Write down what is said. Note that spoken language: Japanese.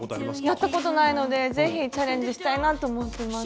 やったことないので是非チャレンジしたいなと思ってます。